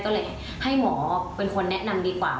ก็เลยให้หมอเป็นคนแนะนำดีกว่า